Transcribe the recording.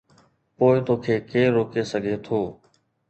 پوءِ توکي ڪير روڪي سگهي ٿو؟